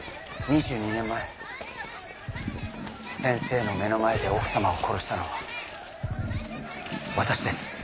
２２年前先生の目の前で奥様を殺したのは私です。